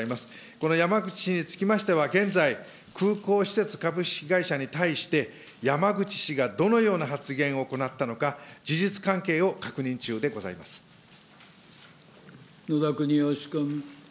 この山口氏につきましては、現在、空港施設株式会社に対して、山口氏がどのような発言を行ったのか、事実関係を確認中でござい野田国義君。